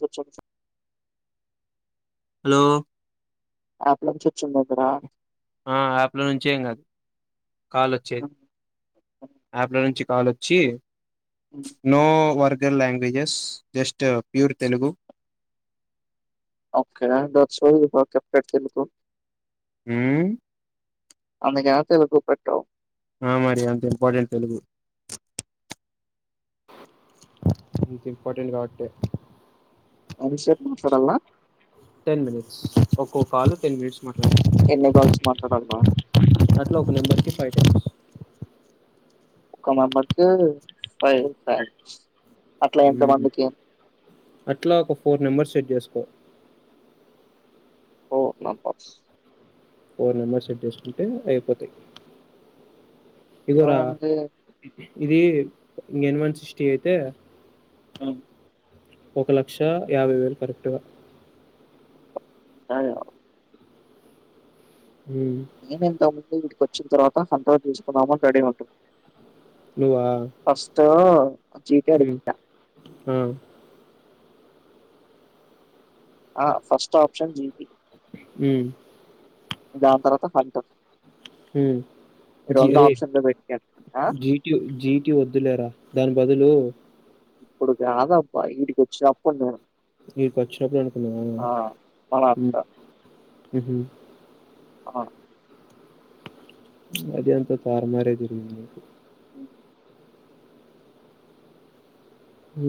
కొంచెం హలో ఆప్లంచి వచ్చిందిరా ఆ యాప్ల నుంచేం కాదు. కాల్ వచ్చేది, యాప్ లో నుంచి. కాల్ వచ్చి నో వర్గ ల్ లాంగ్వేజెస్ జస్ట్ ప్యూర్ తెలుగు. [unintelligible] ఊ అంత గ్యాప్ ఎందుకు పెటవ్ ఆ మరి అంత ఇంపార్టెంట్ తెలుగు ఇంకా ఇంపార్టెంట్ కాబట్టి అనుషే మాట్లాడాలా టెన్ మినిట్స్ ఒక్కో కాలు టెన్ మినిట్స్ మాట్లా ఎన్ని కాల్స్ మాట్లాడాలా లో ఒక నెబర్కి ఫైటీ ఒక్క మంబర్ ఫైవ్వ అట్లా ఒక ఫోర్ నెంబర్స్ సెట్ చేస్త స ఓ నా పస్ ఫోర్ నెంబర్ సెట్ చేసుకుంటే అయిపోతాయి ఇగోరా ఏముంది ఇది ఇక ఎన్ వన్ సిక్స్టీ అయితే అవు ఒక లక్ష యాభై వేలు కరెక్ట్గా. కాదు మ్మ్ ఏనెంత వీటికి వచ్చిన తర్వాత సంతాం తీస్తున్నామ అని రెడీ ఉంటుంది నువ్వా ఫస్ట్ జీటీ అడిగిన ఆ ఆ ఫస్ట్ ఆప్షన్ జిపి హ దాని తరువాత జ రరే పెట్టాను జీటి జీటి వద్దులేరా దాని బదులు ఇప్పుడు కాదు అబ్బా ఇంటికి వచ్చినపుడు నేను ఈ కొచ్చ రపు నకున్నా ఆ మహారాష్ట్ర అ అవును అది అంత తారుమరే జరిగింది అ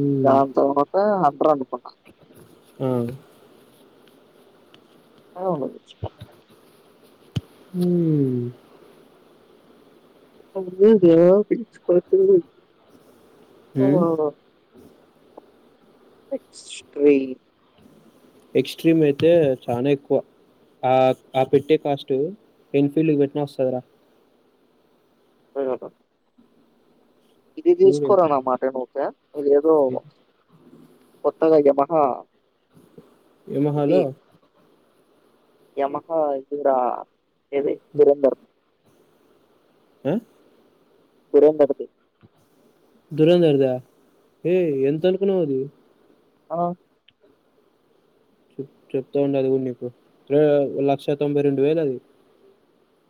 ఉమ్ దాని తరువాత అండి ఆ ఆ వాచ్ హ అ పిచ్ ప ఓ ఉమ్ ఎక్స్ ట్రీ ఎక్స్ట్రీమ్ అయితే చాలా ఎక్కువ ఆ ఆ పెట్టే కాస్ట్ ఎన్ఫీల్డ్ పెట్టినా వస్తుంద రా తెగదా ఇది చూడు ఎంత తీసుకోరా మామ అంటే ఓకే ఇది ఏదో ఇది. కొత్తగాయ్యమహా ఏమ హలో యమహా ఇదిరా ఎది తురందర ఆ గురేందతి ధురంధర్ద హ ఎంత అనుకున్నావది ఆ ప్ చెప్తా ఉండది కూడా నీప్పు లక్ష తొంభై రెండు వేలు అది